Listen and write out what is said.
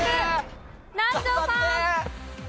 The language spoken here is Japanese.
南條さん。